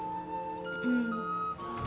うん。